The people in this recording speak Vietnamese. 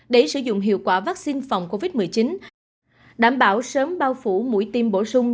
để sử dụng hiệu quả vaccine phòng covid một mươi chín đảm bảo sớm bao phủ mũi tiêm bổ sung